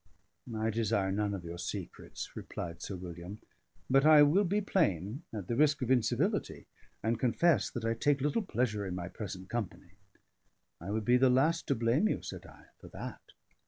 "I desire none of your secrets," replied Sir William; "but I will be plain, at the risk of incivility, and confess that I take little pleasure in my present company." "I would be the last to blame you," said I, "for that."